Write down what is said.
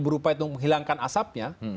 berupaya untuk menghilangkan asapnya